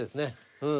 うん。